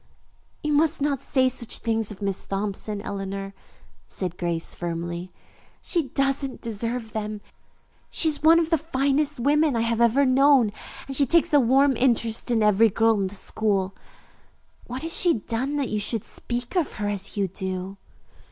"You must not say such things of Miss Thompson, Eleanor," said Grace firmly. "She doesn't deserve them. She is one of the finest women I have ever known, and she takes a warm interest in every girl in school. What has she done that you should speak of her as you do?"